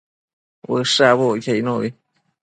Ushë abucquio icnubi